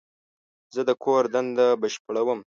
زه د کور دنده بشپړوم.